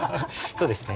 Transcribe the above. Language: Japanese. そうですね。